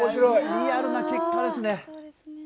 リアルな結果ですね。